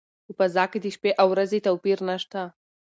په فضا کې د شپې او ورځې توپیر نشته.